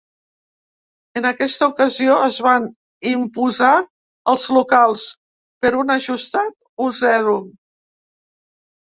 En aquesta ocasió es van imposar els locals, per un ajustat u-zero.